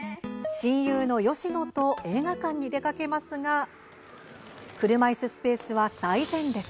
親友の芳乃と映画館に出かけますが車いすスペースは、最前列。